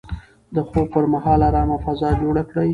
د خوب پر مهال ارامه فضا جوړه کړئ.